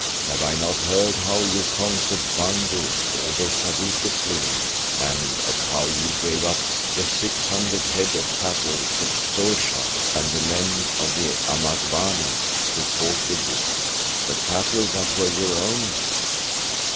Have I not heard how you conquered Bangu, although Saduko slew him, and of how you gave up the six hundred head of cattle to Tshoza and the men of the Amangwane who fought with you, the cattle that were your own?